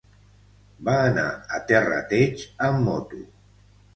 Va anar a Terrateig amb moto.